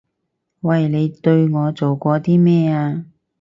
喂！你對我做過啲咩啊？